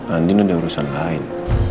andien ada urusan lain